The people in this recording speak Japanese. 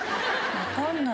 分かんない。